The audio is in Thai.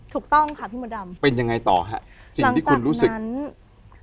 ถูกต้องค่ะพี่มดดำเป็นยังไงต่อฮะสิ่งที่คุณรู้สึกนั้น